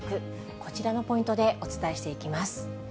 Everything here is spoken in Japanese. こちらのポイントでお伝えしていきます。